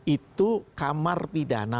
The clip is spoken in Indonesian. itu kamar pidana